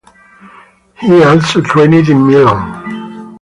He also trained in Milan.